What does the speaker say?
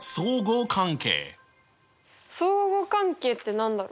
相互関係って何だろう？